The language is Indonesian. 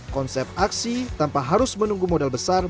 konsep aksi tanpa harus menunggu modal besar